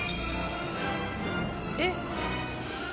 「えっ？